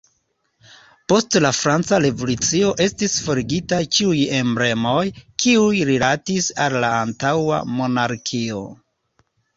Post la Franca Revolucio estis forigitaj ĉiuj emblemoj, kiuj rilatis al la antaŭa monarkio.